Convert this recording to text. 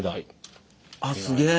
あっすげえ！